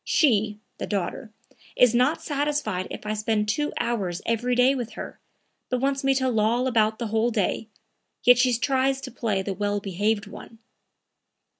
She (the daughter) is not satisfied if I spend two hours every day with her, but wants me to loll about the whole day; yet she tries to play the well behaved one."